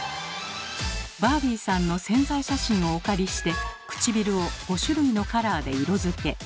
バービーさんの宣材写真をお借りしてくちびるを５種類のカラーで色づけ。